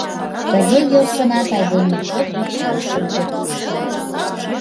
Тыге йӧршынат айдеме шот гыч лектын кертеш.